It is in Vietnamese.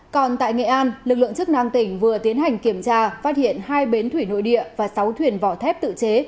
còn tại nghệ an lực lượng chức năng tỉnh vừa tiến hành kiểm tra phát hiện hai bến thủy nội địa và sáu thuyền vỏ thép tự chế